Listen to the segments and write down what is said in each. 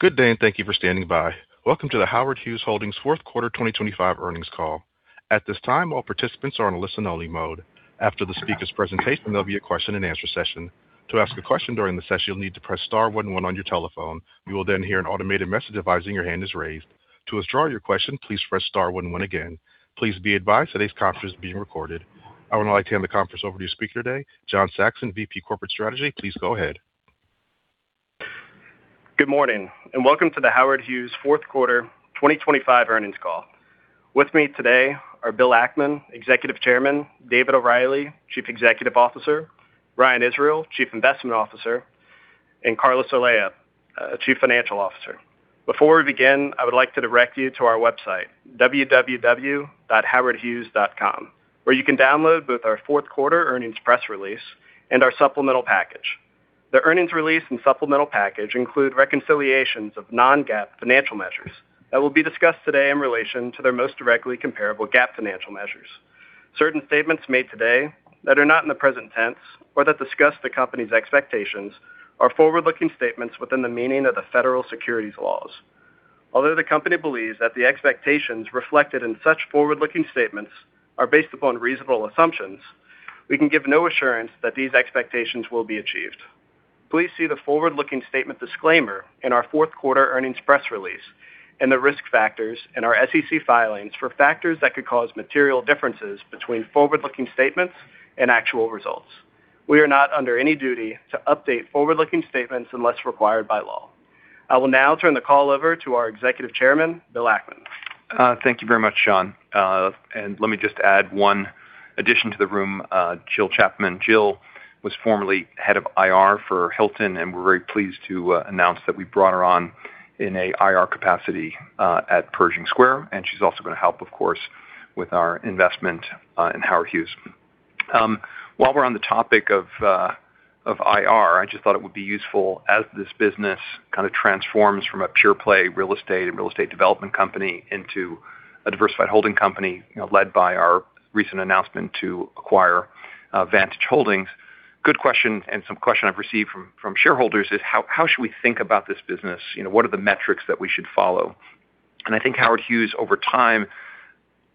Good day, and thank you for standing by. Welcome to the Howard Hughes Holdings fourth quarter 2025 earnings call. At this time, all participants are in listen-only mode. After the speaker's presentation, there'll be a question-and-answer session. To ask a question during the session, you'll need to press star one one on your telephone. You will then hear an automated message advising your hand is raised. To withdraw your question, please press star one one again. Please be advised today's conference is being recorded. I would now like to hand the conference over to your speaker today, John Saxon, VP Corporate Strategy. Please go ahead. Good morning, and welcome to the Howard Hughes fourth quarter 2025 earnings call. With me today are Bill Ackman, Executive Chairman; David O'Reilly, Chief Executive Officer; Ryan Israel, Chief Investment Officer; and Carlos Olea, Chief Financial Officer. Before we begin, I would like to direct you to our website, www.howardhughes.com, where you can download both our fourth quarter earnings press release and our supplemental package. The earnings release and supplemental package include reconciliations of non-GAAP financial measures that will be discussed today in relation to their most directly comparable GAAP financial measures. Certain statements made today that are not in the present tense or that discuss the company's expectations are forward-looking statements within the meaning of the federal securities laws. Although the company believes that the expectations reflected in such forward-looking statements are based upon reasonable assumptions, we can give no assurance that these expectations will be achieved. Please see the forward-looking statement disclaimer in our fourth quarter earnings press release and the risk factors in our SEC filings for factors that could cause material differences between forward-looking statements and actual results. We are not under any duty to update forward-looking statements unless required by law. I will now turn the call over to our Executive Chairman, Bill Ackman. Thank you very much, John. And let me just add one addition to the room, Jill Chapman. Jill was formerly Head of IR for Hilton, and we're very pleased to announce that we brought her on in a IR capacity at Pershing Square, and she's also going to help, of course, with our investment in Howard Hughes. While we're on the topic of IR, I just thought it would be useful as this business kind of transforms from a pure play real estate and real estate development company into a diversified holding company, you know, led by our recent announcement to acquire Vantage Holdings. Good question, and some question I've received from shareholders is: How should we think about this business? You know, what are the metrics that we should follow? I think Howard Hughes, over time,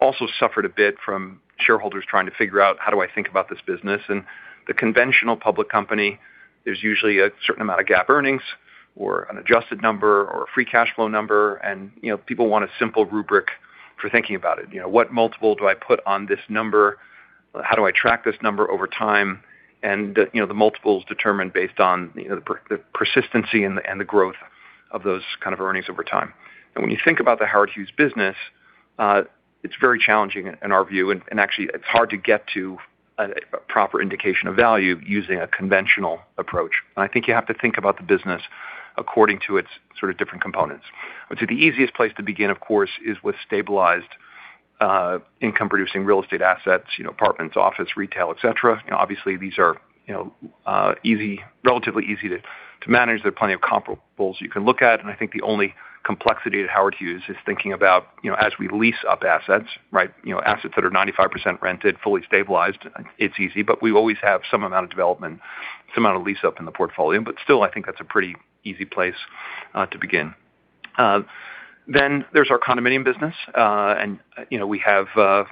also suffered a bit from shareholders trying to figure out, how do I think about this business? The conventional public company, there's usually a certain amount of GAAP earnings or an adjusted number or a free cash flow number, and, you know, people want a simple rubric for thinking about it. You know, what multiple do I put on this number? How do I track this number over time? You know, the multiples determined based on, you know, the persistency and the growth of those kind of earnings over time. When you think about the Howard Hughes business, it's very challenging in our view, and actually, it's hard to get to a proper indication of value using a conventional approach. I think you have to think about the business according to its sort of different components. So the easiest place to begin, of course, is with stabilized, income-producing real estate assets, you know, apartments, office, retail, et cetera. You know, obviously, these are, you know, easy, relatively easy to manage. There are plenty of comparables you can look at, and I think the only complexity at Howard Hughes is thinking about, you know, as we lease up assets, right? You know, assets that are 95% rented, fully stabilized, it's easy, but we always have some amount of development, some amount of lease up in the portfolio. But still, I think that's a pretty easy place to begin. Then there's our condominium business, and, you know, we have, you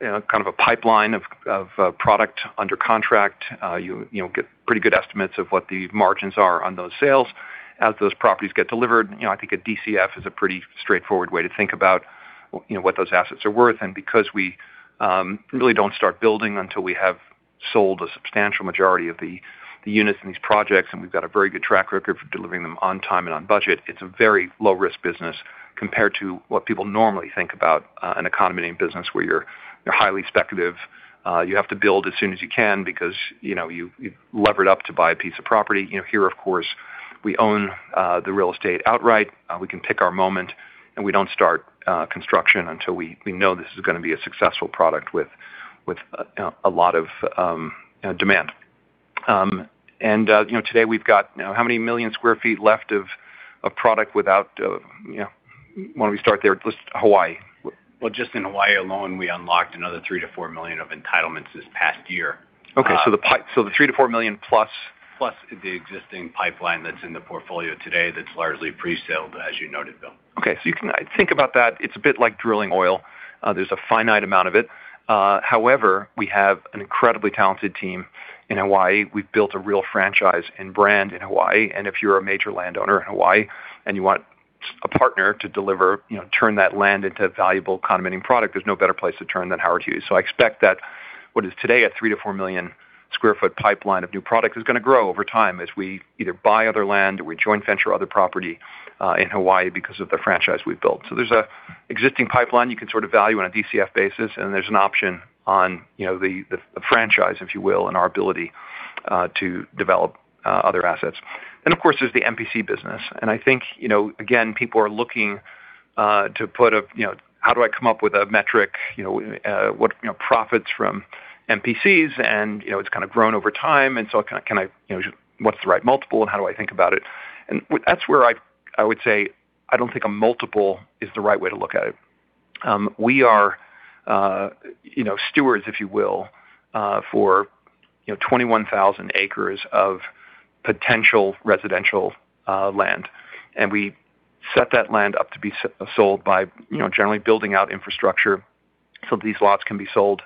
know, kind of a pipeline of product under contract. You know, get pretty good estimates of what the margins are on those sales as those properties get delivered. You know, I think a DCF is a pretty straightforward way to think about, you know, what those assets are worth. And because we really don't start building until we have sold a substantial majority of the units in these projects, and we've got a very good track record for delivering them on time and on budget, it's a very low-risk business compared to what people normally think about in a condominium business, where you're highly speculative. You have to build as soon as you can because, you know, you levered up to buy a piece of property. You know, here, of course, we own the real estate outright. We can pick our moment, and we don't start construction until we know this is gonna be a successful product with a lot of demand. You know, today we've got, you know, how many million sq ft left of product without you know, why don't we start there, just Hawaii? Well, just in Hawaii alone, we unlocked another 3 million-4 million of entitlements this past year. Okay, so the 3 million-4 million+... Plus the existing pipeline that's in the portfolio today, that's largely presaled, as you noted, Bill. Okay, so you can think about that. It's a bit like drilling oil. There's a finite amount of it. However, we have an incredibly talented team in Hawaii. We've built a real franchise and brand in Hawaii, and if you're a major landowner in Hawaii and you want a partner to deliver, you know, turn that land into a valuable condominium product, there's no better place to turn than Howard Hughes. So I expect that what is today, a 3 million-4 million sq ft pipeline of new product, is gonna grow over time as we either buy other land or we joint venture other property in Hawaii because of the franchise we've built. So there's an existing pipeline you can sort of value on a DCF basis, and there's an option on, you know, the franchise, if you will, and our ability to develop other assets. Then, of course, there's the MPC business. And I think, you know, again, people are looking to put a, you know, how do I come up with a metric, you know, what, you know, profits from MPCs? And, you know, it's kind of grown over time, and so can I, you know, what's the right multiple, and how do I think about it? And that's where I would say I don't think a multiple is the right way to look at it, we are, you know, stewards, if you will, for, you know, 21,000 acres of potential residential land. We set that land up to be sold by, you know, generally building out infrastructure, so these lots can be sold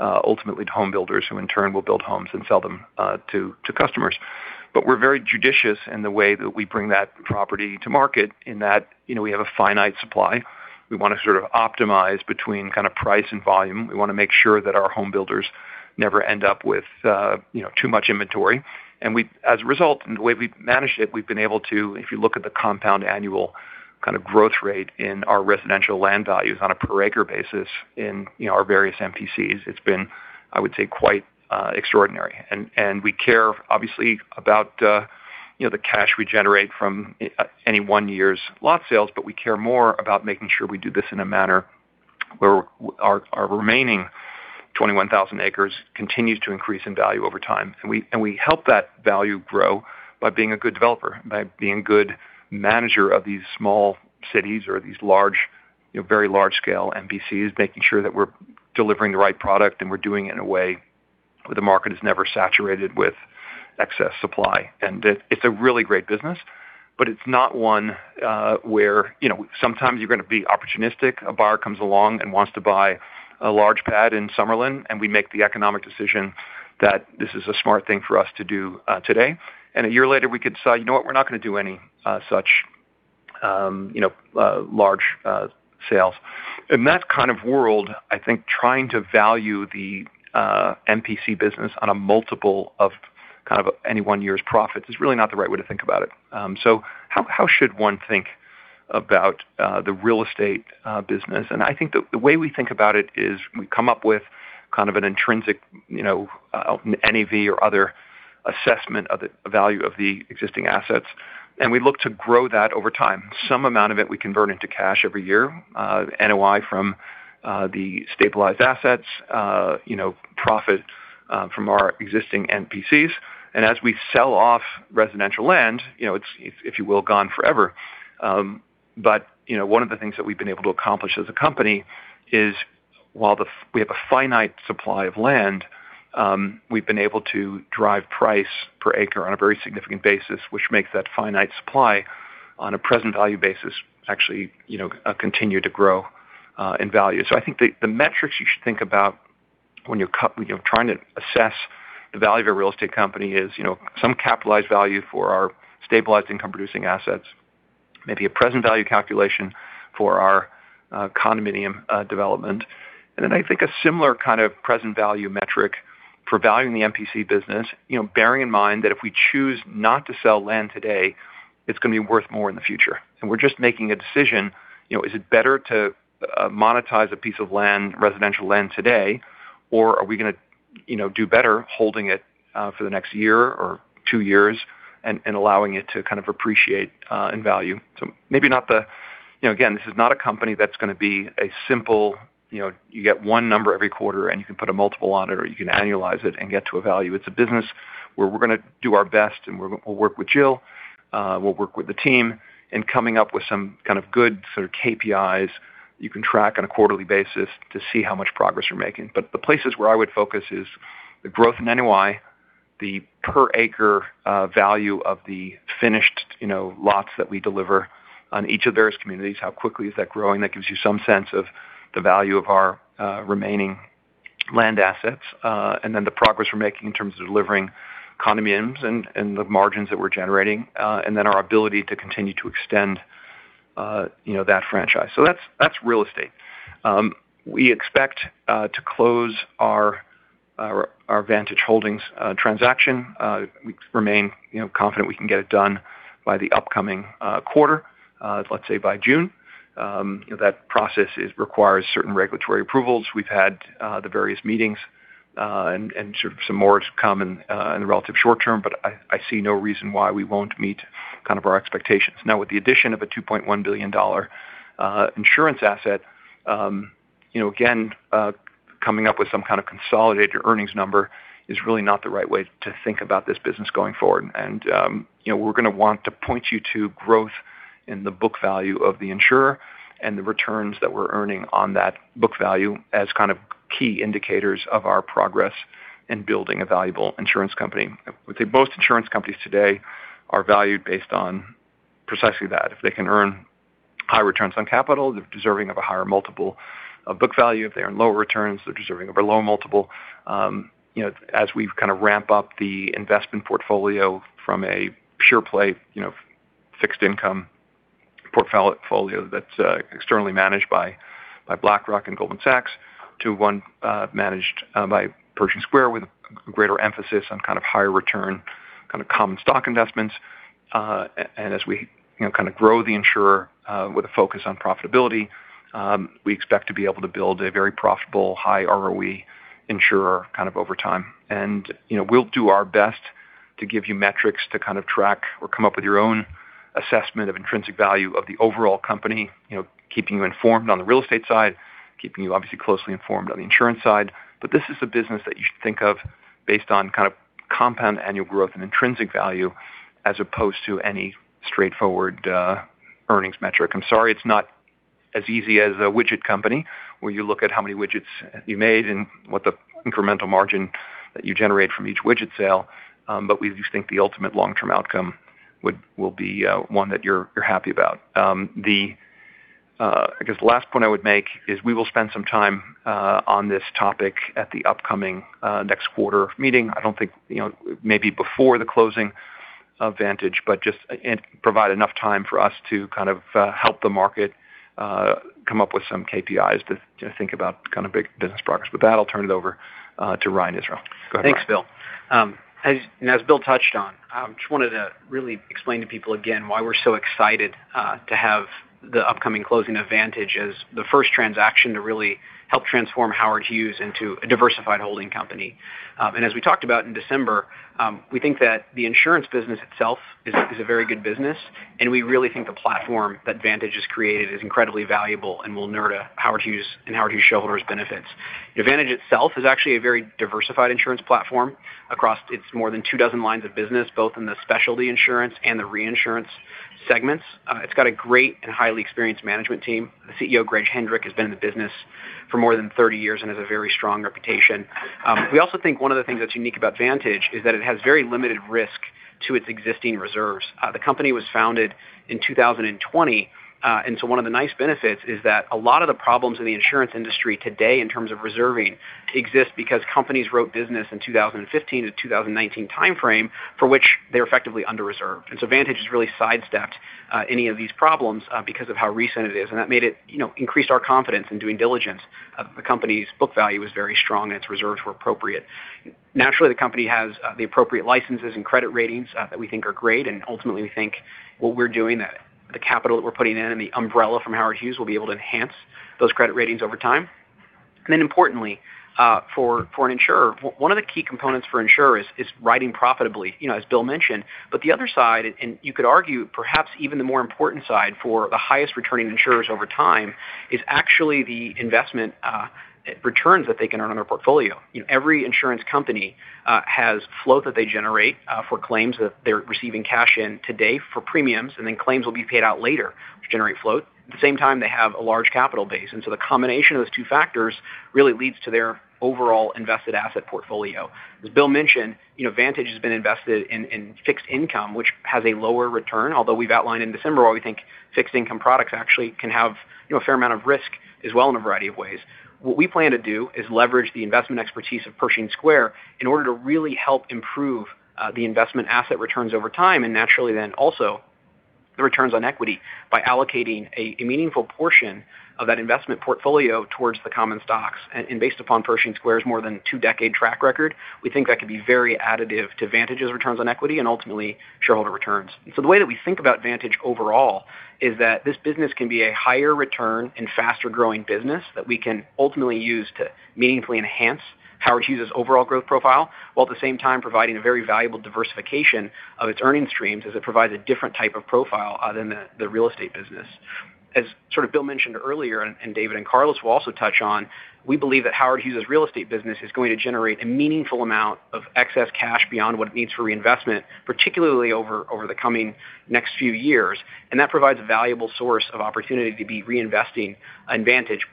ultimately to home builders, who in turn will build homes and sell them to customers. But we're very judicious in the way that we bring that property to market in that, you know, we have a finite supply. We wanna sort of optimize between kind of price and volume. We wanna make sure that our home builders never end up with, you know, too much inventory. And as a result, and the way we've managed it, we've been able to, if you look at the compound annual kind of growth rate in our residential land values on a per acre basis in, you know, our various MPCs, it's been, I would say, quite extraordinary. We care, obviously, about you know, the cash we generate from any one year's lot sales, but we care more about making sure we do this in a manner where our remaining 21,000 acres continues to increase in value over time. And we help that value grow by being a good developer, by being good manager of these small cities or these large, you know, very large scale MPCs, making sure that we're delivering the right product, and we're doing it in a way where the market is never saturated with excess supply. And it's a really great business, but it's not one where, you know, sometimes you're gonna be opportunistic. A buyer comes along and wants to buy a large pad in Summerlin, and we make the economic decision that this is a smart thing for us to do, today, and a year later, we could decide, you know what? We're not gonna do any, such, you know, large sales. In that kind of world, I think trying to value the MPC business on a multiple of kind of any one year's profits is really not the right way to think about it. So, how should one think about the real estate business? And I think the way we think about it is we come up with kind of an intrinsic, you know, NAV or other assessment of the value of the existing assets, and we look to grow that over time. Some amount of it, we convert into cash every year, NOI from the stabilized assets, you know, profit from our existing MPCs. And as we sell off residential land, you know, it's, if you will, gone forever. But, you know, one of the things that we've been able to accomplish as a company is, while we have a finite supply of land, we've been able to drive price per acre on a very significant basis, which makes that finite supply on a present value basis, actually, you know, continue to grow in value. So I think the metrics you should think about when you're trying to assess the value of a real estate company is, you know, some capitalized value for our stabilized income producing assets, maybe a present value calculation for our condominium development. And then I think a similar kind of present value metric for valuing the MPC business, you know, bearing in mind that if we choose not to sell land today, it's gonna be worth more in the future. And we're just making a decision, you know, is it better to monetize a piece of land, residential land today, or are we gonna, you know, do better holding it for the next year or two years and allowing it to kind of appreciate in value? So maybe not the... You know, again, this is not a company that's gonna be a simple, you know, you get one number every quarter, and you can put a multiple on it, or you can annualize it and get to a value. It's a business where we're gonna do our best, and we're, we'll work with Jill, we'll work with the team in coming up with some kind of good sort of KPIs you can track on a quarterly basis to see how much progress we're making. But the places where I would focus is the growth in NOI, the per acre, value of the finished, you know, lots that we deliver on each of those communities. How quickly is that growing? That gives you some sense of the value of our remaining land assets, and then the progress we're making in terms of delivering condominiums and the margins that we're generating, and then our ability to continue to extend, you know, that franchise. So that's real estate. We expect to close our Vantage Holdings transaction. We remain, you know, confident we can get it done by the upcoming quarter, let's say by June. You know, that process requires certain regulatory approvals. We've had the various meetings and sort of some more to come in the relative short term, but I see no reason why we won't meet kind of our expectations. Now, with the addition of a $2.1 billion insurance asset, you know, again, coming up with some kind of consolidated earnings number is really not the right way to think about this business going forward. And, you know, we're gonna want to point you to growth in the book value of the insurer and the returns that we're earning on that book value as kind of key indicators of our progress in building a valuable insurance company. I would say most insurance companies today are valued based on precisely that. If they can earn high returns on capital, they're deserving of a higher multiple of book value. If they earn low returns, they're deserving of a low multiple. You know, as we've kind of ramp up the investment portfolio from a pure play, you know, fixed income portfolio that's externally managed by BlackRock and Goldman Sachs, to one managed by Pershing Square, with a greater emphasis on kind of higher return, kind of common stock investments. And as we, you know, kind of grow the insurer with a focus on profitability, we expect to be able to build a very profitable, high ROE insurer kind of over time. And, you know, we'll do our best to give you metrics to kind of track or come up with your own assessment of intrinsic value of the overall company, you know, keeping you informed on the real estate side, keeping you obviously closely informed on the insurance side. But this is a business that you should think of based on kind of compound annual growth and intrinsic value as opposed to any straightforward earnings metric. I'm sorry it's not as easy as a widget company, where you look at how many widgets you made and what the incremental margin that you generate from each widget sale, but we do think the ultimate long-term outcome would- will be one that you're, you're happy about. I guess the last point I would make is we will spend some time on this topic at the upcoming next quarter meeting. I don't think, you know, maybe before the closing of Vantage, but just, and provide enough time for us to kind of help the market come up with some KPIs to, to think about kind of big business progress. But with that, I'll turn it over to Ryan Israel. Go ahead, Ryan. Thanks, Bill. As Bill touched on, I just wanted to really explain to people again, why we're so excited to have the upcoming closing of Vantage as the first transaction to really help transform Howard Hughes into a diversified holding company. And as we talked about in December, we think that the insurance business itself is a very good business, and we really think the platform that Vantage has created is incredibly valuable and will net Howard Hughes and Howard Hughes shareholders benefits. The Vantage itself is actually a very diversified insurance platform across its more than 24 lines of business, both in the specialty insurance and the reinsurance segments. It's got a great and highly experienced management team. The CEO, Greg Hendrick, has been in the business for more than 30 years and has a very strong reputation. We also think one of the things that's unique about Vantage is that it has very limited risk to its existing reserves. The company was founded in 2020, and so one of the nice benefits is that a lot of the problems in the insurance industry today, in terms of reserving, exist because companies wrote business in 2015-2019 timeframe, for which they're effectively under reserved. And so Vantage has really sidestepped any of these problems because of how recent it is, and that made it, you know, increased our confidence in doing diligence. The company's book value is very strong, and its reserves were appropriate. Naturally, the company has the appropriate licenses and credit ratings that we think are great, and ultimately, we think what we're doing, the capital that we're putting in, and the umbrella from Howard Hughes will be able to enhance those credit ratings over time. And then importantly, for an insurer, one of the key components for insurers is writing profitably, you know, as Bill mentioned. But the other side, and you could argue, perhaps even the more important side for the highest returning insurers over time, is actually the investment returns that they can earn on their portfolio. You know, every insurance company has flow that they generate for claims that they're receiving cash in today for premiums, and then claims will be paid out later, which generate flow. At the same time, they have a large capital base, and so the combination of those two factors really leads to their overall invested asset portfolio. As Bill mentioned, you know, Vantage has been invested in, in fixed income, which has a lower return. Although we've outlined in December why we think fixed income products actually can have, you know, a fair amount of risk as well in a variety of ways. What we plan to do is leverage the investment expertise of Pershing Square in order to really help improve the investment asset returns over time, and naturally, then also the returns on equity by allocating a meaningful portion of that investment portfolio towards the common stocks. And based upon Pershing Square's more than two-decade track record, we think that could be very additive to Vantage's returns on equity and ultimately shareholder returns. So the way that we think about Vantage overall is that this business can be a higher return and faster-growing business that we can ultimately use to meaningfully enhance Howard Hughes's overall growth profile, while at the same time providing a very valuable diversification of its earning streams as it provides a different type of profile than the real estate business. As sort of Bill mentioned earlier, and David and Carlos will also touch on, we believe that Howard Hughes's real estate business is going to generate a meaningful amount of excess cash beyond what it needs for reinvestment, particularly over the coming next few years. And that provides a valuable source of opportunity to be reinvesting in Vantage,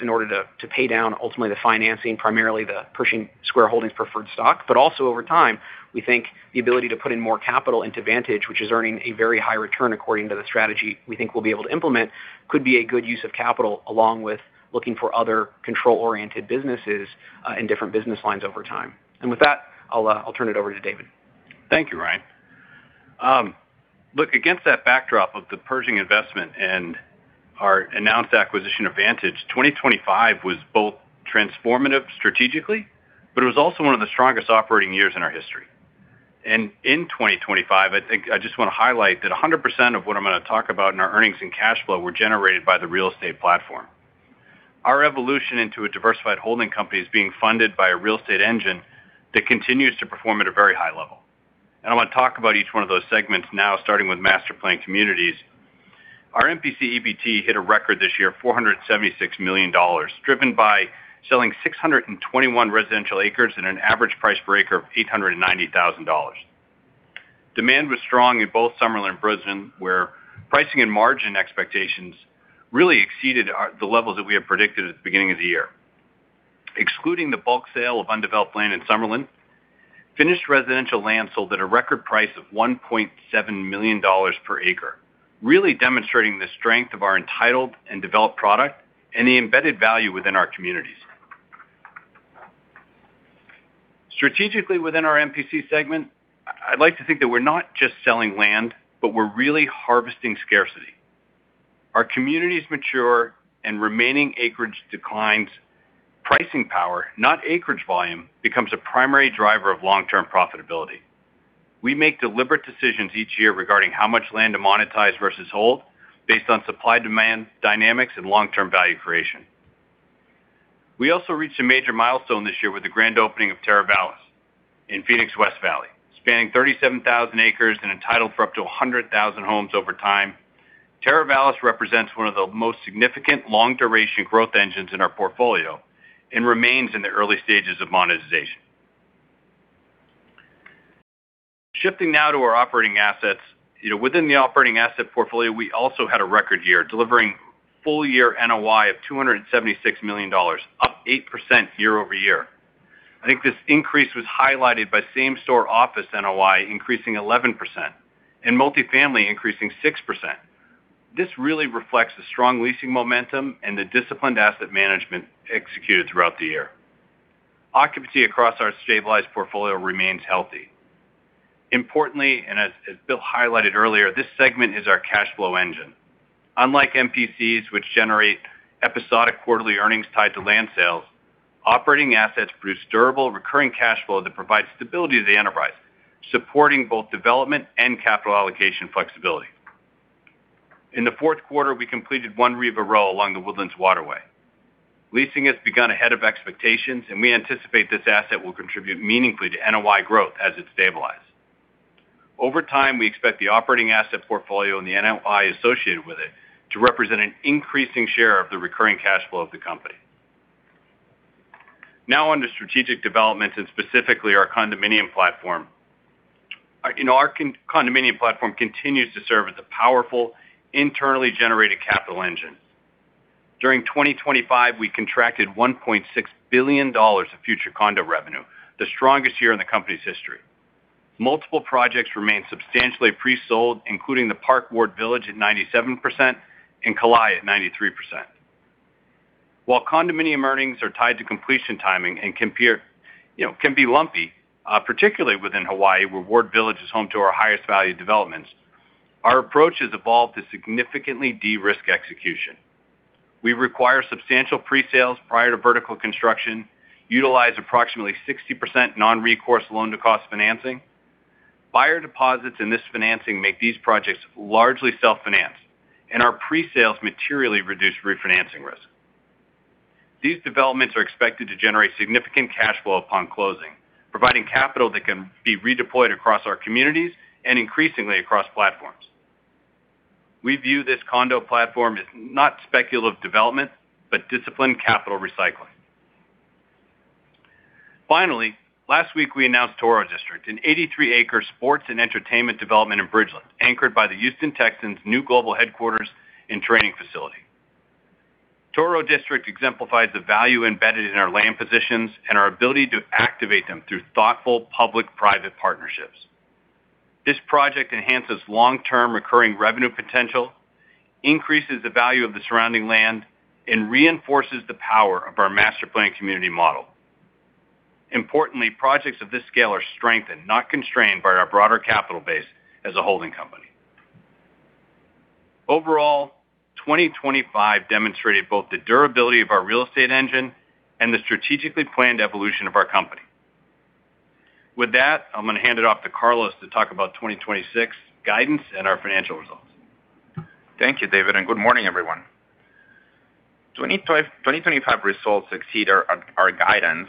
in order to pay down ultimately the financing, primarily the Pershing Square Holdings preferred stock. But also over time, we think the ability to put in more capital into Vantage, which is earning a very high return according to the strategy we think we'll be able to implement, could be a good use of capital, along with looking for other control-oriented businesses in different business lines over time. And with that, I'll turn it over to David. Thank you, Ryan. Look, against that backdrop of the Pershing investment and our announced acquisition of Vantage, 2025 was both transformative strategically, but it was also one of the strongest operating years in our history. And in 2025, I think I just want to highlight that 100% of what I'm going to talk about in our earnings and cash flow were generated by the real estate platform. Our evolution into a diversified holding company is being funded by a real estate engine that continues to perform at a very high level. And I want to talk about each one of those segments now, starting with master planned communities. Our MPC EBT hit a record this year, $476 million, driven by selling 621 residential acres at an average price per acre of $890,000. Demand was strong in both Summerlin and Bridgeland, where pricing and margin expectations really exceeded the levels that we had predicted at the beginning of the year. Excluding the bulk sale of undeveloped land in Summerlin, finished residential land sold at a record price of $1.7 million per acre, really demonstrating the strength of our entitled and developed product and the embedded value within our communities. Strategically, within our MPC segment, I'd like to think that we're not just selling land, but we're really harvesting scarcity. Our communities mature and remaining acreage declines. Pricing power, not acreage volume, becomes a primary driver of long-term profitability. We make deliberate decisions each year regarding how much land to monetize versus hold, based on supply-demand dynamics and long-term value creation. We also reached a major milestone this year with the grand opening of Teravalis in Phoenix West Valley. Spanning 37,000 acres and entitled for up to 100,000 homes over time, Teravalis represents one of the most significant long-duration growth engines in our portfolio and remains in the early stages of monetization. Shifting now to our operating assets. You know, within the operating asset portfolio, we also had a record year, delivering full year NOI of $276 million, up 8% year-over-year. I think this increase was highlighted by same-store office NOI increasing 11% and multifamily increasing 6%. This really reflects the strong leasing momentum and the disciplined asset management executed throughout the year. Occupancy across our stabilized portfolio remains healthy. Importantly, and as Bill highlighted earlier, this segment is our cash flow engine. Unlike MPCs, which generate episodic quarterly earnings tied to land sales, operating assets produce durable, recurring cash flow that provides stability to the enterprise, supporting both development and capital allocation flexibility. In the fourth quarter, we completed One Riva Row along The Woodlands Waterway. Leasing has begun ahead of expectations, and we anticipate this asset will contribute meaningfully to NOI growth as it stabilizes. Over time, we expect the operating asset portfolio and the NOI associated with it to represent an increasing share of the recurring cash flow of the company. Now on to strategic development and specifically our condominium platform. You know, our condominium platform continues to serve as a powerful, internally generated capital engine. During 2025, we contracted $1.6 billion of future condo revenue, the strongest year in the company's history. Multiple projects remain substantially pre-sold, including The Park Ward Village at 97% and Kalae at 93%. While condominium earnings are tied to completion timing and compare, you know, can be lumpy, particularly within Hawaii, where Ward Village is home to our highest value developments, our approach has evolved to significantly de-risk execution. We require substantial presales prior to vertical construction, utilize approximately 60% non-recourse loan-to-cost financing. Buyer deposits in this financing make these projects largely self-financed, and our presales materially reduce refinancing risk. These developments are expected to generate significant cash flow upon closing, providing capital that can be redeployed across our communities and increasingly across platforms. We view this condo platform as not speculative development, but disciplined capital recycling. Finally, last week, we announced Toro District, an 83-acre sports and entertainment development in Bridgeland, anchored by the Houston Texans' new global headquarters and training facility. Toro District exemplifies the value embedded in our land positions and our ability to activate them through thoughtful public-private partnerships. This project enhances long-term recurring revenue potential, increases the value of the surrounding land, and reinforces the power of our master planned community model. Importantly, projects of this scale are strengthened, not constrained by our broader capital base as a holding company. Overall, 2025 demonstrated both the durability of our real estate engine and the strategically planned evolution of our company. With that, I'm going to hand it off to Carlos to talk about 2026 guidance and our financial results. Thank you, David, and good morning, everyone. 2025 results exceed our guidance, and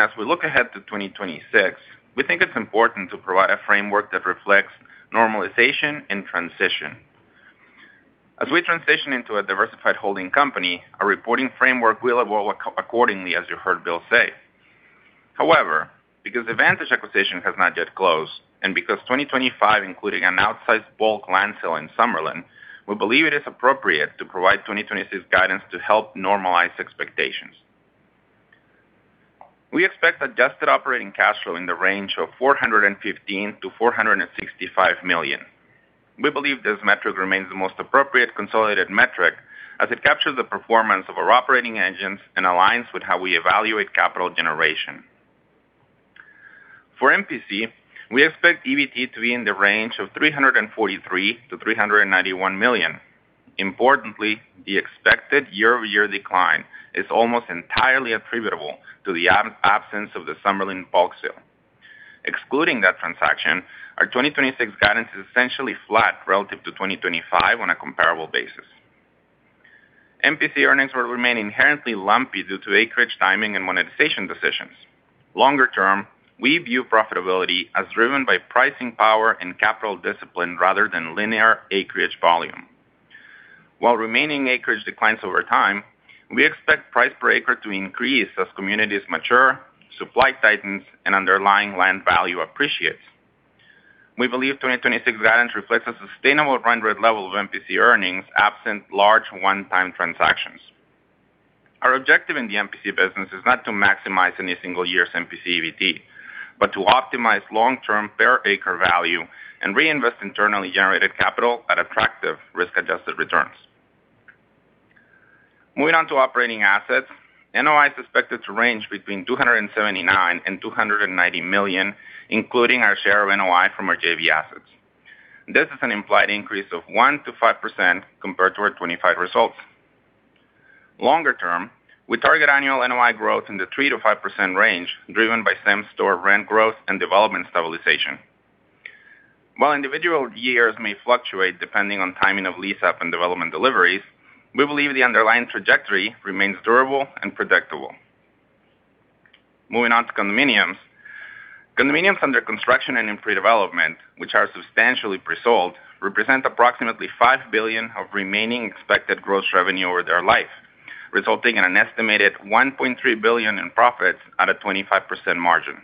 as we look ahead to 2026, we think it's important to provide a framework that reflects normalization and transition. As we transition into a diversified holding company, our reporting framework will evolve accordingly, as you heard Bill say. However, because the Vantage acquisition has not yet closed and because 2025, including an outsized bulk land sale in Summerlin, we believe it is appropriate to provide 2026 guidance to help normalize expectations. We expect adjusted operating cash flow in the range of $415 million-$465 million. We believe this metric remains the most appropriate consolidated metric as it captures the performance of our operating engines and aligns with how we evaluate capital generation. For MPC, we expect EBT to be in the range of $343 million-$391 million. Importantly, the expected year-over-year decline is almost entirely attributable to the absence of the Summerlin bulk sale. Excluding that transaction, our 2026 guidance is essentially flat relative to 2025 on a comparable basis. MPC earnings will remain inherently lumpy due to acreage timing and monetization decisions. Longer term, we view profitability as driven by pricing power and capital discipline rather than linear acreage volume. While remaining acreage declines over time, we expect price per acre to increase as communities mature, supply tightens, and underlying land value appreciates. We believe 2026 guidance reflects a sustainable run rate level of MPC earnings, absent large one-time transactions. Our objective in the MPC business is not to maximize any single year's MPC EBT, but to optimize long-term per acre value and reinvest internally generated capital at attractive risk-adjusted returns. Moving on to operating assets. NOI is expected to range between $279 million and $290 million, including our share of NOI from our JV assets. This is an implied increase of 1%-5% compared to our 2025 results. Longer term, we target annual NOI growth in the 3%-5% range, driven by same-store rent growth and development stabilization. While individual years may fluctuate depending on timing of lease up and development deliveries, we believe the underlying trajectory remains durable and predictable. Moving on to condominiums. Condominiums under construction and in pre-development, which are substantially pre-sold, represent approximately $5 billion of remaining expected gross revenue over their life, resulting in an estimated $1.3 billion in profits at a 25% margin.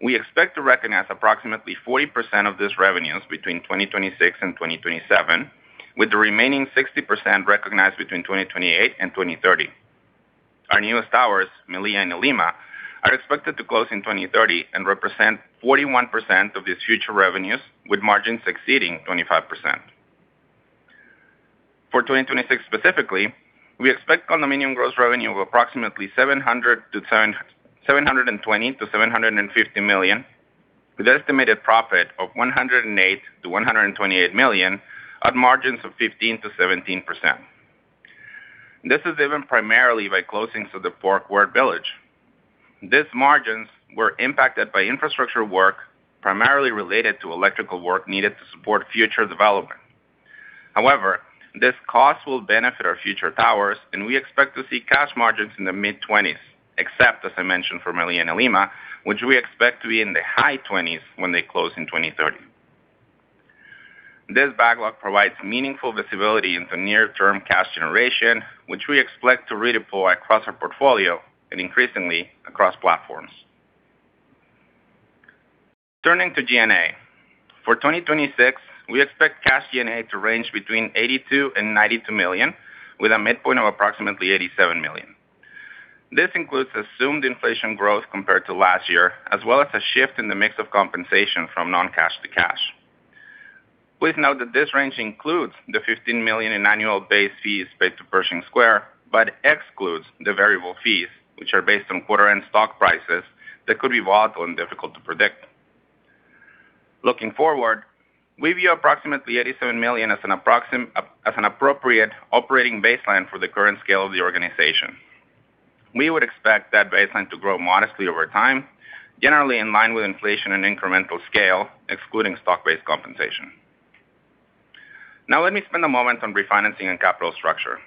We expect to recognize approximately 40% of these revenues between 2026 and 2027, with the remaining 60% recognized between 2028 and 2030. Our newest towers, Melia and 'Ilima, are expected to close in 2030 and represent 41% of these future revenues, with margins exceeding 25%. For 2026 specifically, we expect condominium gross revenue of approximately $720 million-$750 million, with an estimated profit of $108 million-$128 million on margins of 15%-17%. This is driven primarily by closings of the Park Ward Village. These margins were impacted by infrastructure work, primarily related to electrical work needed to support future development. However, this cost will benefit our future towers, and we expect to see cash margins in the mid-20s, except, as I mentioned, for Melia and 'Ilima, which we expect to be in the high 20s when they close in 2030. This backlog provides meaningful visibility into near-term cash generation, which we expect to redeploy across our portfolio and increasingly across platforms. Turning to G&A. For 2026, we expect cash G&A to range between $82 million and $92 million, with a midpoint of approximately $87 million. This includes assumed inflation growth compared to last year, as well as a shift in the mix of compensation from non-cash to cash. Please note that this range includes the $15 million in annual base fees paid to Pershing Square, but excludes the variable fees, which are based on quarter end stock prices that could be volatile and difficult to predict. Looking forward, we view approximately $87 million as an appropriate operating baseline for the current scale of the organization. We would expect that baseline to grow modestly over time, generally in line with inflation and incremental scale, excluding stock-based compensation. Now, let me spend a moment on refinancing and capital structure.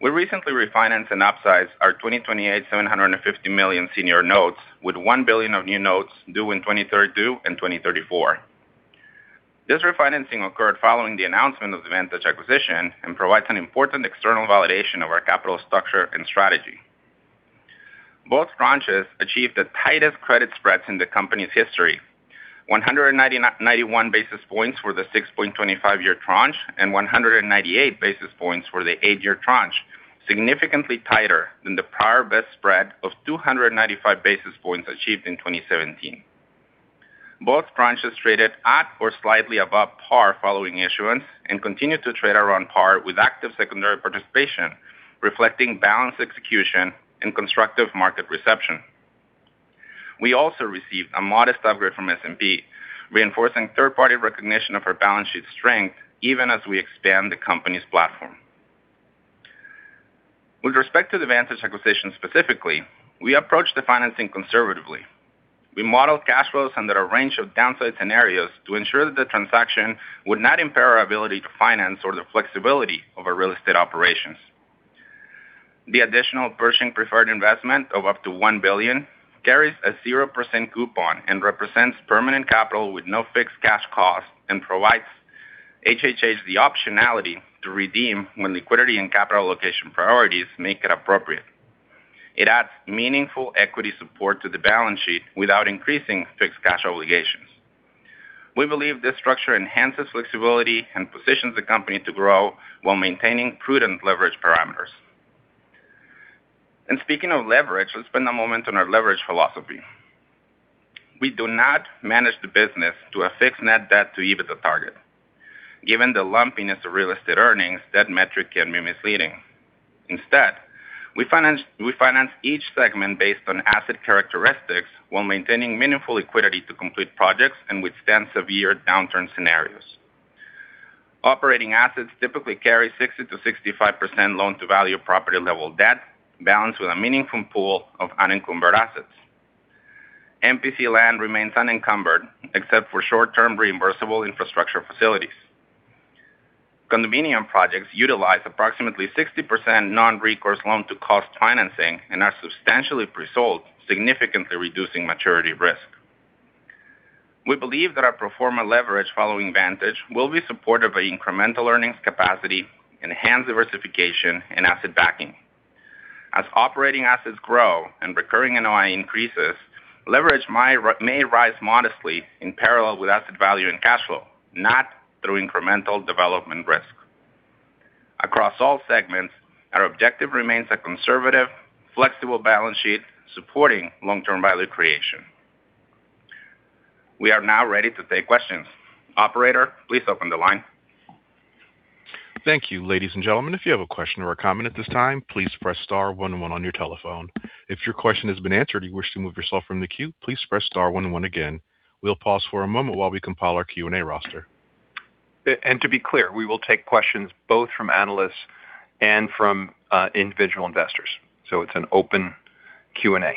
We recently refinanced and upsized our 2028 $750 million senior notes, with $1 billion of new notes due in 2034. This refinancing occurred following the announcement of the Vantage acquisition and provides an important external validation of our capital structure and strategy. Both tranches achieved the tightest credit spreads in the company's history. 191 basis points for the 6.25-year tranche and 198 basis points for the eight-year tranche, significantly tighter than the prior best spread of 295 basis points achieved in 2017. Both tranches traded at or slightly above par following issuance and continued to trade around par with active secondary participation, reflecting balanced execution and constructive market reception. We also received a modest upgrade from S&P, reinforcing third-party recognition of our balance sheet strength even as we expand the company's platform. With respect to the Vantage acquisition specifically, we approached the financing conservatively. We modeled cash flows under a range of downside scenarios to ensure that the transaction would not impair our ability to finance or the flexibility of our real estate operations. The additional Pershing preferred investment of up to $1 billion carries a zero percent coupon and represents permanent capital with no fixed cash costs, and provides HHH the optionality to redeem when liquidity and capital allocation priorities make it appropriate. It adds meaningful equity support to the balance sheet without increasing fixed cash obligations. We believe this structure enhances flexibility and positions the company to grow while maintaining prudent leverage parameters. And speaking of leverage, let's spend a moment on our leverage philosophy. We do not manage the business to a fixed net debt-to-EBITDA target. Given the lumpiness of real estate earnings, that metric can be misleading. Instead, we finance each segment based on asset characteristics while maintaining meaningful liquidity to complete projects and withstand severe downturn scenarios. Operating assets typically carry 60%-65% loan-to-value property level debt, balanced with a meaningful pool of unencumbered assets. MPC land remains unencumbered, except for short-term reimbursable infrastructure facilities. Condominium projects utilize approximately 60% non-recourse loan to cost financing and are substantially presold, significantly reducing maturity risk. We believe that our pro forma leverage following Vantage will be supported by incremental earnings capacity, enhanced diversification, and asset backing. As operating assets grow and recurring NOI increases, leverage may rise modestly in parallel with asset value and cash flow, not through incremental development risk. Across all segments, our objective remains a conservative, flexible balance sheet supporting long-term value creation. We are now ready to take questions. Operator, please open the line. Thank you. Ladies and gentlemen, if you have a question or a comment at this time, please press star one one on your telephone. If your question has been answered, you wish to move yourself from the queue, please press star one one again. We'll pause for a moment while we compile our Q&A roster. To be clear, we will take questions both from analysts and from individual investors. It's an open Q&A.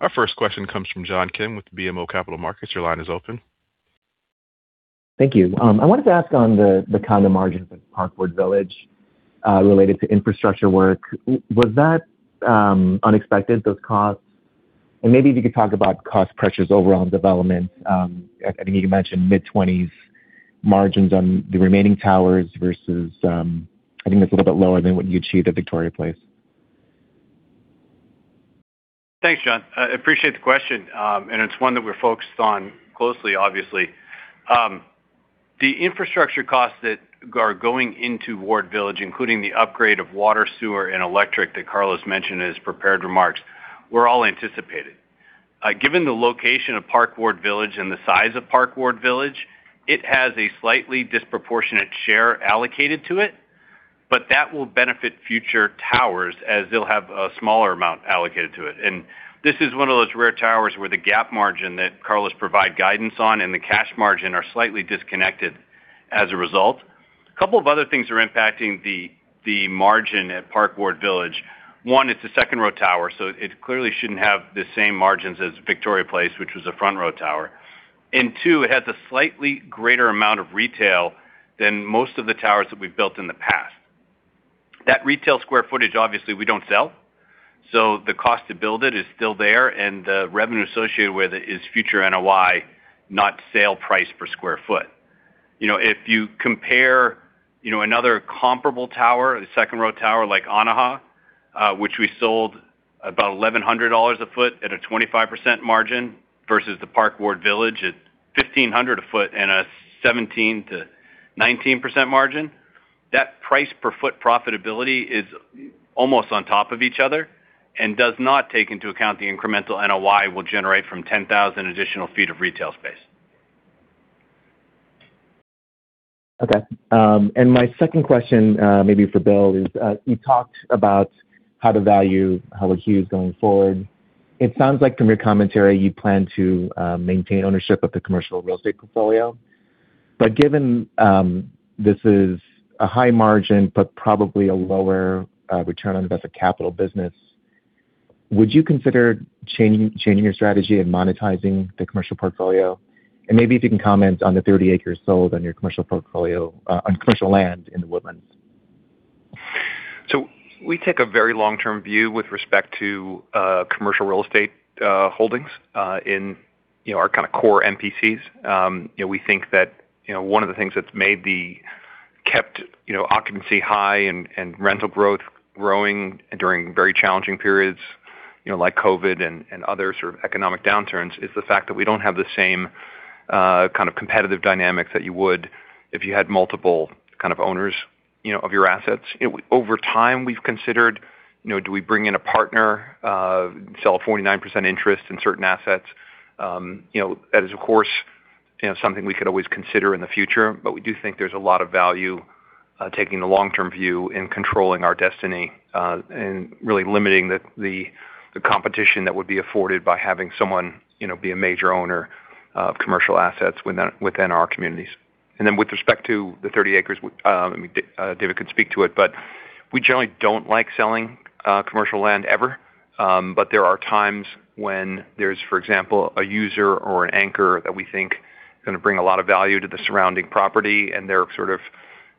Our first question comes from John Kim with BMO Capital Markets. Your line is open. Thank you. I wanted to ask on the condo margins of The Park Ward Village related to infrastructure work. Was that unexpected, those costs? And maybe if you could talk about cost pressures overall in development. I think you mentioned mid-20s margins on the remaining towers versus, I think it's a little bit lower than what you achieved at Victoria Place. Thanks, John. I appreciate the question, and it's one that we're focused on closely, obviously. The infrastructure costs that are going into Ward Village, including the upgrade of water, sewer, and electric that Carlos mentioned in his prepared remarks, were all anticipated. Given the location of The Park Ward Village and the size of The Park Ward Village, it has a slightly disproportionate share allocated to it, but that will benefit future towers as they'll have a smaller amount allocated to it. This is one of those rare towers where the gap margin that Carlos provide guidance on and the cash margin are slightly disconnected as a result. A couple of other things are impacting the margin at The Park Ward Village. One, it's a second-row tower, so it clearly shouldn't have the same margins as Victoria Place, which was a front-row tower. And two, it has a slightly greater amount of retail than most of the towers that we've built in the past. That retail sq ft, obviously, we don't sell, so the cost to build it is still there, and the revenue associated with it is future NOI, not sale price per sq ft. You know, if you compare, you know, another comparable tower, a second row tower like Anaha, which we sold about $1,100 a foot at a 25% margin, versus The Park Ward Village at $1,500 a foot and a 17%-19% margin, that price per foot profitability is almost on top of each other and does not take into account the incremental NOI will generate from 10,000 additional feet of retail space. Okay. And my second question, maybe for Bill, is, you talked about how to value Howard Hughes going forward. It sounds like from your commentary, you plan to maintain ownership of the commercial real estate portfolio. But given this is a high margin, but probably a lower return on invested capital business, would you consider changing your strategy and monetizing the commercial portfolio? And maybe if you can comment on the 30 acres sold on your commercial portfolio, on commercial land in The Woodlands. So we take a very long-term view with respect to commercial real estate holdings in, you know, our kind of core MPCs. You know, we think that one of the things that's kept you know, occupancy high and rental growth growing during very challenging periods, you know, like COVID and other sort of economic downturns, is the fact that we don't have the same kind of competitive dynamics that you would if you had multiple kind of owners, you know, of your assets. Over time, we've considered, you know, do we bring in a partner, sell a 49% interest in certain assets? You know, that is, of course, you know, something we could always consider in the future, but we do think there's a lot of value taking the long-term view in controlling our destiny and really limiting the competition that would be afforded by having someone, you know, be a major owner of commercial assets within our communities. Then with respect to the 30 acres, David could speak to it, but we generally don't like selling commercial land ever. There are times when there's, for example, a user or an anchor that we think is going to bring a lot of value to the surrounding property, and their sort of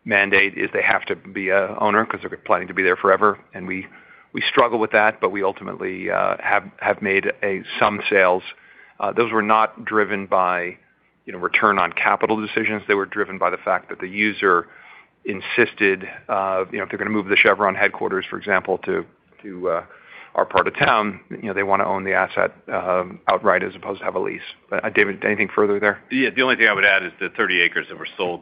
mandate is they have to be an owner because they're planning to be there forever. We struggle with that, but we ultimately have made some sales. Those were not driven by, you know, return on capital decisions. They were driven by the fact that the user insisted, you know, if they're going to move the Chevron headquarters, for example, to our part of town, you know, they want to own the asset outright as opposed to have a lease. But David, anything further there? Yeah, the only thing I would add is the 30 acres that were sold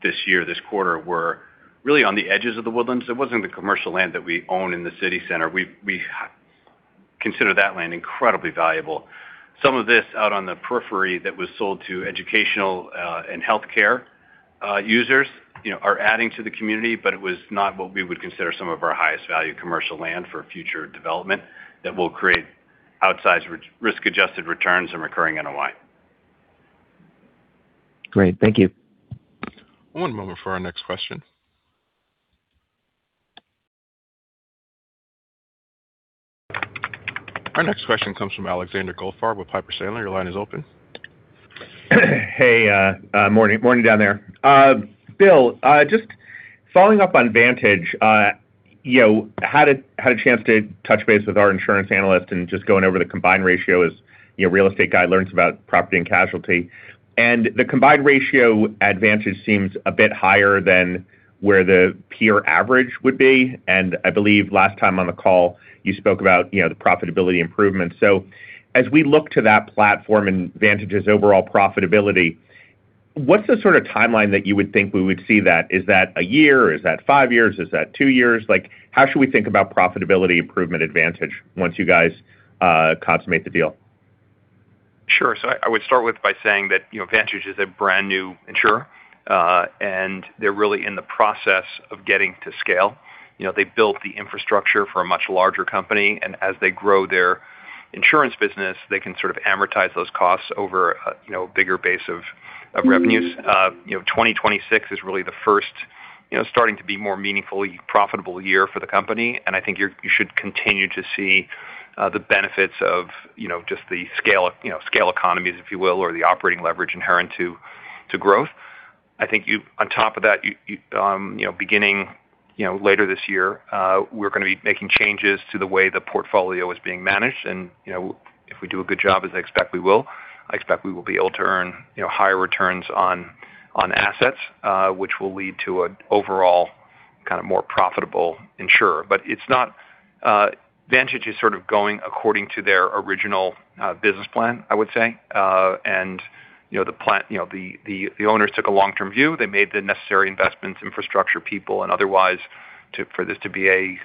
this year, this quarter, were really on the edges of The Woodlands. It wasn't the commercial land that we own in the city center. We consider that land incredibly valuable. Some of this out on the periphery that was sold to educational and healthcare users, you know, are adding to the community, but it was not what we would consider some of our highest value commercial land for future development that will create outsized risk-adjusted returns and recurring NOI. Great. Thank you. One moment for our next question. Our next question comes from Alexander Goldfarb with Piper Sandler. Your line is open. Hey, morning, morning down there. Bill, just following up on Vantage, you know, had a chance to touch base with our insurance analyst and just going over the combined ratio as, you know, real estate guy learns about property and casualty. And the combined ratio at Vantage seems a bit higher than where the peer average would be. And I believe last time on the call, you spoke about, you know, the profitability improvements. So as we look to that platform and Vantage's overall profitability, what's the sort of timeline that you would think we would see that? Is that a year? Is that five years? Is that two years? Like, how should we think about profitability improvement advantage once you guys consummate the deal? Sure. So I would start with by saying that, you know, Vantage is a brand-new insurer, and they're really in the process of getting to scale. You know, they built the infrastructure for a much larger company, and as they grow their insurance business, they can sort of amortize those costs over a, you know, bigger base of revenues. You know, 2026 is really the first, you know, starting to be more meaningfully profitable year for the company, and I think you're—you should continue to see the benefits of, you know, just the scale, you know, scale economies, if you will, or the operating leverage inherent to growth. I think you, on top of that, you know, beginning, you know, later this year, we're going to be making changes to the way the portfolio is being managed. And, you know, if we do a good job, as I expect we will, I expect we will be able to earn, you know, higher returns on assets, which will lead to an overall kind of more profitable insurer. But it's not, Vantage is sort of going according to their original business plan, I would say. And, you know, the plan, you know, the owners took a long-term view. They made the necessary investments, infrastructure, people, and otherwise, to, for this to be a,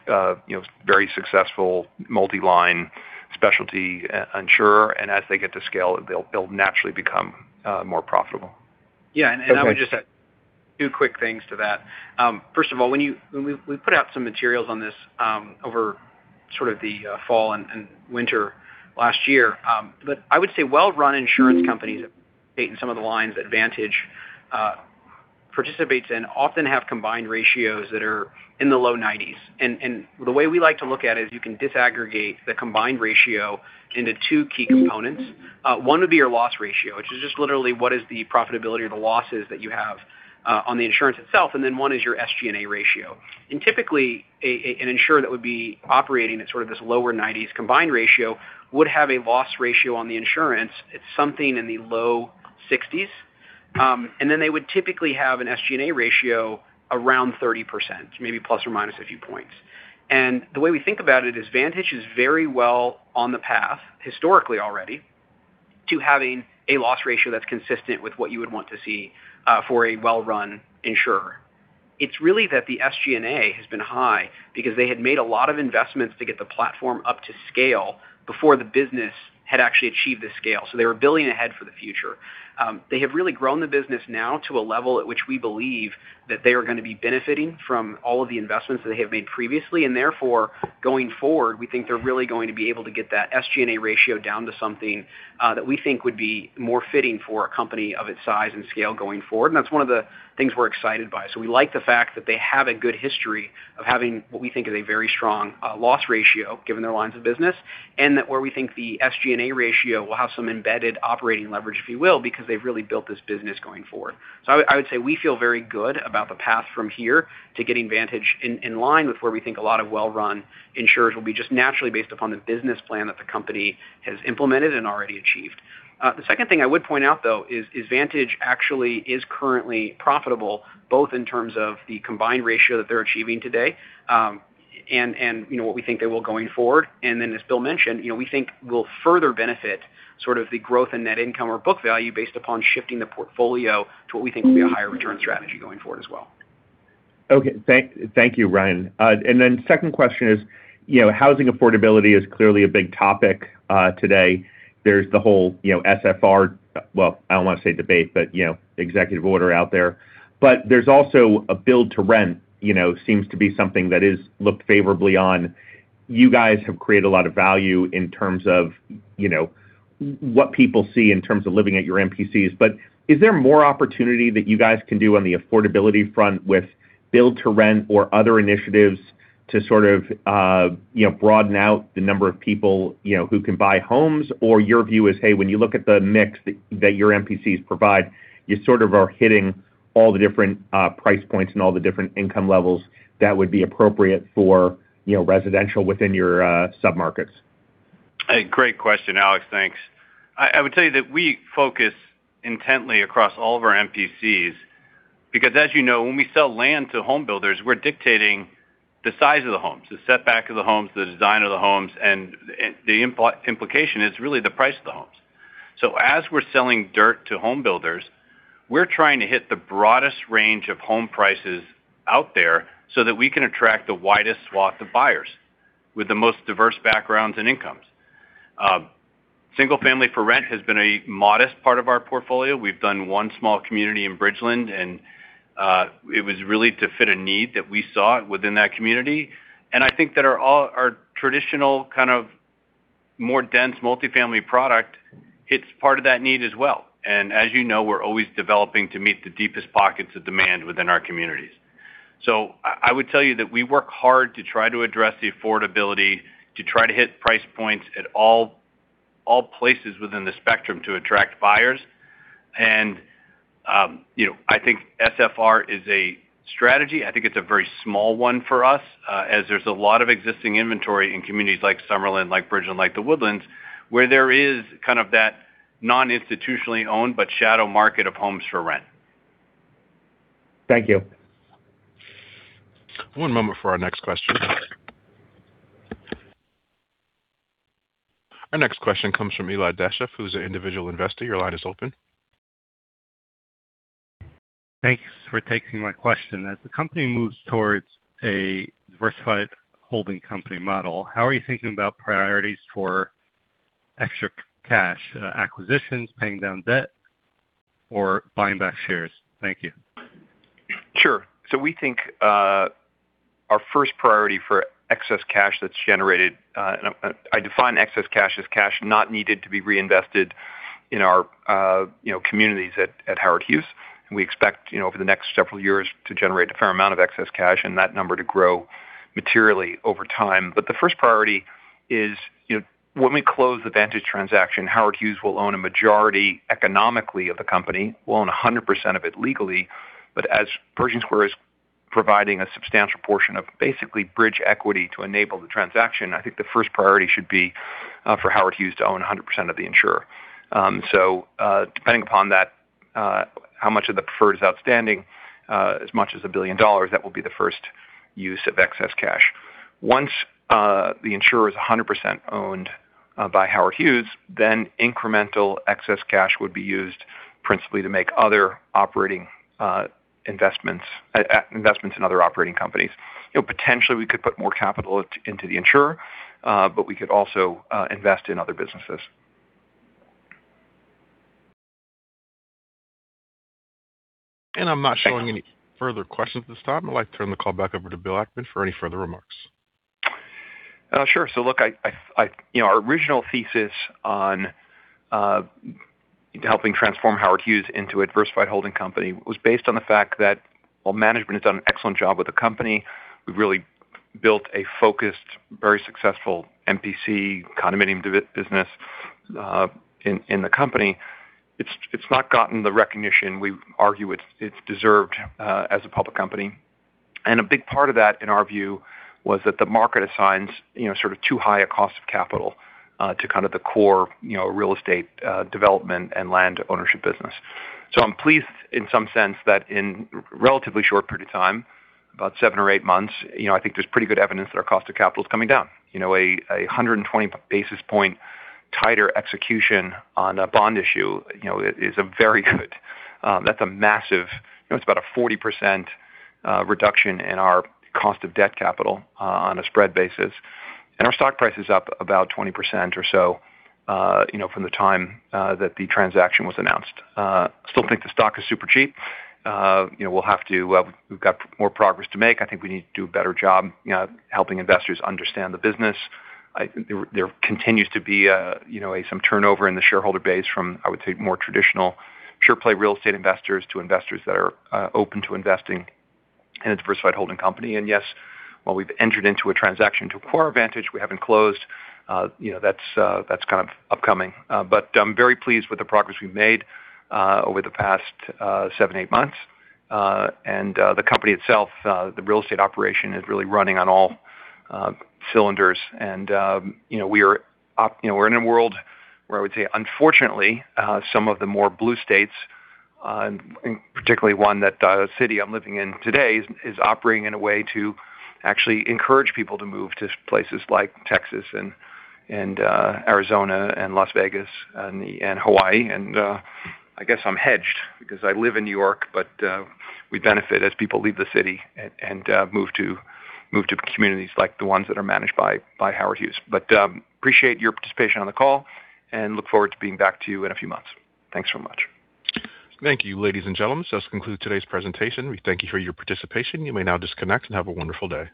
you know, very successful multi-line specialty insurer. And as they get to scale, they'll naturally become more profitable. Yeah, and I would just add two quick things to that. First of all, when we put out some materials on this over the fall and winter last year. But I would say well-run insurance companies, in some of the lines that Vantage participates in, often have combined ratios that are in the low 90s. And the way we like to look at it is you can disaggregate the combined ratio into two key components. One would be your loss ratio, which is just literally what is the profitability of the losses that you have on the insurance itself, and then one is your SG&A ratio. Typically, an insurer that would be operating at sort of this low 90s combined ratio would have a loss ratio on the insurance at something in the low 60s. Then they would typically have an SG&A ratio around 30%, maybe plus or minus a few points. The way we think about it is Vantage is very well on the path, historically already, to having a loss ratio that's consistent with what you would want to see, for a well-run insurer. It's really that the SG&A has been high because they had made a lot of investments to get the platform up to scale before the business had actually achieved the scale. So they were building ahead for the future. They have really grown the business now to a level at which we believe that they are going to be benefiting from all of the investments that they have made previously, and therefore, going forward, we think they're really going to be able to get that SG&A ratio down to something that we think would be more fitting for a company of its size and scale going forward. And that's one of the things we're excited by. So we like the fact that they have a good history of having what we think is a very strong loss ratio, given their lines of business, and that where we think the SG&A ratio will have some embedded operating leverage, if you will, because they've really built this business going forward. So I would say we feel very good about the path from here to getting Vantage in line with where we think a lot of well-run insurers will be just naturally based upon the business plan that the company has implemented and already achieved. The second thing I would point out, though, is Vantage actually is currently profitable, both in terms of the combined ratio that they're achieving today, and you know, what we think they will going forward. And then, as Bill mentioned, you know, we think we'll further benefit sort of the growth in net income or book value based upon shifting the portfolio to what we think will be a higher return strategy going forward as well. Okay. Thank, thank you, Ryan. And then second question is, you know, housing affordability is clearly a big topic today. There's the whole, you know, SFR, well, I don't want to say debate, but, you know, executive order out there. But there's also a build to rent, you know, seems to be something that is looked favorably on. You guys have created a lot of value in terms of, you know, what people see in terms of living at your MPCs, but is there more opportunity that you guys can do on the affordability front with build to rent or other initiatives to sort of, you know, broaden out the number of people, you know, who can buy homes? Or your view is, hey, when you look at the mix that your MPCs provide, you sort of are hitting all the different price points and all the different income levels that would be appropriate for, you know, residential within your submarkets? A great question, Alex. Thanks. I, I would tell you that we focus intently across all of our MPCs, because as you know, when we sell land to homebuilders, we're dictating the size of the homes, the setback of the homes, the design of the homes, and the implication is really the price of the homes. So as we're selling dirt to homebuilders, we're trying to hit the broadest range of home prices out there so that we can attract the widest swath of buyers with the most diverse backgrounds and incomes. Single-family for rent has been a modest part of our portfolio. We've done one small community in Bridgeland, and it was really to fit a need that we saw within that community. And I think that our traditional kind of more dense multifamily product, it's part of that need as well. As you know, we're always developing to meet the deepest pockets of demand within our communities. So I, I would tell you that we work hard to try to address the affordability, to try to hit price points at all, all places within the spectrum to attract buyers. And, you know, I think SFR is a strategy. I think it's a very small one for us, as there's a lot of existing inventory in communities like Summerlin, like Bridgeland, like The Woodlands, where there is kind of that non-institutionally owned, but shadow market of homes for rent. Thank you. One moment for our next question. Our next question comes from Eli [Dashef], who's an individual investor. Your line is open. Thanks for taking my question. As the company moves towards a diversified holding company model, how are you thinking about priorities for extra cash, acquisitions, paying down debt, or buying back shares? Thank you. Sure. So we think our first priority for excess cash that's generated. I define excess cash as cash not needed to be reinvested in our, you know, communities at Howard Hughes. We expect, you know, over the next several years to generate a fair amount of excess cash and that number to grow materially over time. But the first priority is, you know, when we close the Vantage transaction, Howard Hughes will own a majority economically of the company. We'll own 100% of it legally, but as Pershing Square is providing a substantial portion of basically bridge equity to enable the transaction, I think the first priority should be for Howard Hughes to own 100% of the insurer. So, depending upon that, how much of the preferred is outstanding, as much as $1 billion, that will be the first use of excess cash. Once the insurer is 100% owned by Howard Hughes, then incremental excess cash would be used principally to make other operating investments, investments in other operating companies. You know, potentially we could put more capital into the insurer, but we could also invest in other businesses. I'm not showing any further questions at this time. I'd like to turn the call back over to Bill Ackman for any further remarks. Sure. So look, you know, our original thesis on helping transform Howard Hughes into a diversified holding company was based on the fact that while management has done an excellent job with the company, we've really built a focused, very successful MPC condominium development business in the company. It's not gotten the recognition we argue it's deserved as a public company. And a big part of that, in our view, was that the market assigns, you know, sort of too high a cost of capital to kind of the core, you know, real estate development and land ownership business. So I'm pleased in some sense that in relatively short period of time, about seven or eight months, you know, I think there's pretty good evidence that our cost of capital is coming down. You know, 120 basis points tighter execution on a bond issue, you know, is a very good, that's a massive. You know, it's about a 40% reduction in our cost of debt capital on a spread basis. And our stock price is up about 20% or so, you know, from the time that the transaction was announced. Still think the stock is super cheap. You know, we'll have to, we've got more progress to make. I think we need to do a better job, you know, helping investors understand the business. I think there continues to be a, you know, some turnover in the shareholder base from, I would say, more traditional, pure-play real estate investors to investors that are open to investing in a diversified holding company. Yes, while we've entered into a transaction to acquire Vantage, we haven't closed. You know, that's kind of upcoming. But I'm very pleased with the progress we've made over the past seven, eight months. And the company itself, the real estate operation is really running on all cylinders. And you know, we're in a world where I would say, unfortunately, some of the more blue states and particularly one, that city I'm living in today, is operating in a way to actually encourage people to move to places like Texas and Arizona and Las Vegas and Hawaii. I guess I'm hedged because I live in New York, but we benefit as people leave the city and move to communities like the ones that are managed by Howard Hughes. Appreciate your participation on the call, and look forward to being back to you in a few months. Thanks so much. Thank you, ladies and gentlemen. This concludes today's presentation. We thank you for your participation. You may now disconnect and have a wonderful day.